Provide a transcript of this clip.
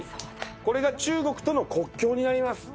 これが中国との国境になります。